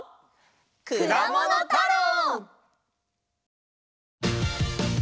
「くだものたろう」！